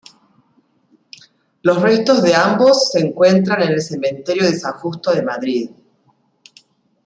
Los restos de ambos se encuentran en el cementerio de San Justo de Madrid.